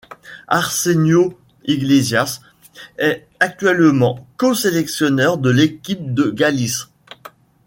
Arsenio Iglesias est actuellement co-sélectionneur de l'équipe de Galice.